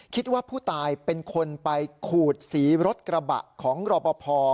คิดว่าผู้ตายเป็นคนไปขูดสีรถกระบะของรอปภ